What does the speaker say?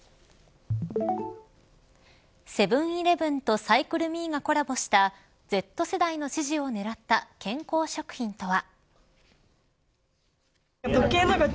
セブンイレブンとサイクルミーがコラボしたＺ世代の支持を狙った健康食品とは。